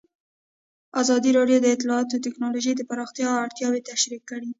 ازادي راډیو د اطلاعاتی تکنالوژي د پراختیا اړتیاوې تشریح کړي.